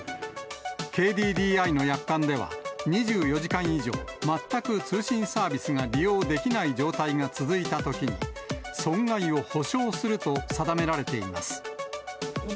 ＫＤＤＩの約款では、２４時間以上、全く通信サービスが利用できない状態が続いたときに、損害を補償すると定められています。